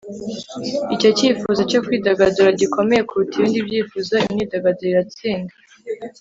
iyo icyifuzo cyo kwidagadura gikomeye kuruta ibindi byifuzo, imyidagaduro iratsinda